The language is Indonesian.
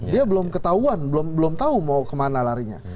dia belum ketahuan belum tahu mau kemana larinya